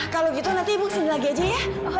kalau gitu nanti ibu kesini lagi aja ya